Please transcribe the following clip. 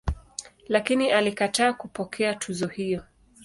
Lakini alikataa kupokea tuzo hiyo.